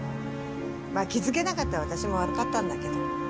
まあ気づけなかった私も悪かったんだけど。